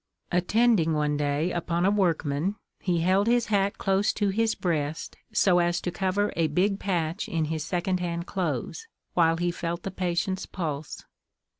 Attending one day upon a workman, he held his hat close to his breast, so as to cover a big patch in his second hand clothes, while he felt the patient's pulse.